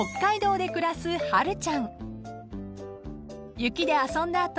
［雪で遊んだ後